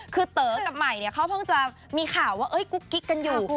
คือเต๋อกับใหม่เขาเพิ่งจะมีข่าวว่ากุ๊กกิ๊กกันอยู่